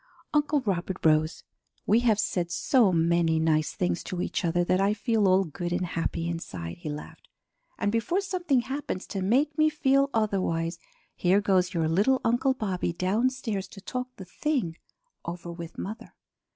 Uncle Robert rose. "We have said so many nice things to each other that I feel all good and happy inside," he laughed. "And before something happens to make me feel otherwise, here goes your little Uncle Bobby downstairs to talk the thing over with mother.